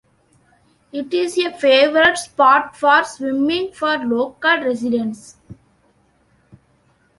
It is a favourite spot for swimming for local residents.